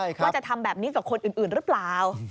ว่าจะทำแบบนี้กับคนอื่นหรือเปล่า